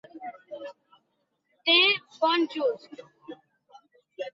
De bon just.